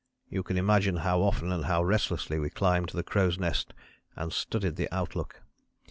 You can imagine how often and how restlessly we climbed to the crow's nest and studied the outlook.